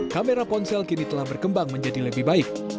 kamera ponsel kini telah berkembang menjadi lebih baik